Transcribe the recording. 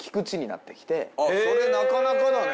あっそれなかなかだね。